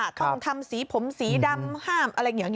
ต้องทำสีผมสีดำห้าม